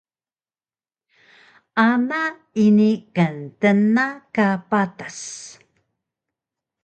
Ana ini ktna ka patas